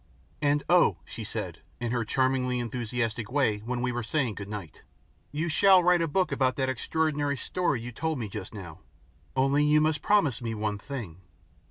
"And oh!" she said, in her charmingly enthusiastic way when we were saying goodnight, "you shall write a book about that extraordinary story you told me just now. Only you must promise me one thing."